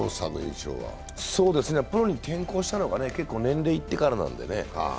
プロに転向したのが結構年齢いってからなのでね。